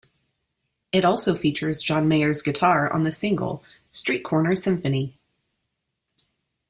It also features John Mayer's guitar on the single "Streetcorner Symphony".